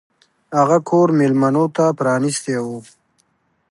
هغه کور میلمنو ته پرانیستی و.